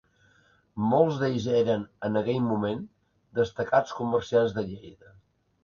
Molts d'ells eren, en aquell moment, destacats comerciants de Lleida.